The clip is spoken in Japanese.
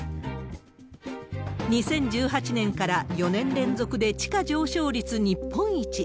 ２０１８年から４年連続で地価上昇率日本一。